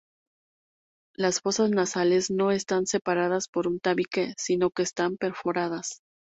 Las fosas nasales no están separadas por un tabique, sino que están perforadas.